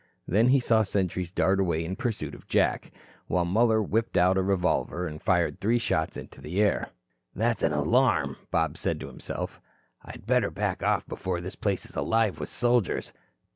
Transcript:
Then he saw the sentries dart away in pursuit of Jack, while Muller whipped out a revolver and fired three shots into the air. "That's an alarm," Bob said to himself. "I'd better back off before this place is alive with soldiers."